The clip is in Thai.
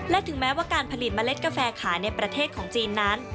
และถึงแม้ว่าการผลิตเมล็ดกาแฟขายในประเทศของจีนนั้น